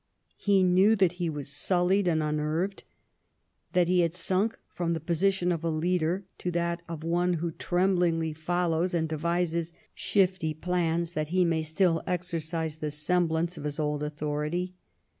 He knew that he was sullied and unnerved ; that he had sunk from the position of a leader to that of one who tremblingly follows and devises shifty plans that he may still exercise the semblance of his old authority.